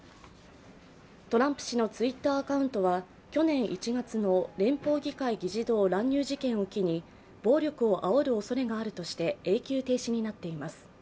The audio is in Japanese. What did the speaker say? トランプ氏のＴｗｉｔｔｅｒアカウントは去年１月の連邦議会議事堂乱入事件を機に暴力をあおるおそれがあるとして永久停止になっています。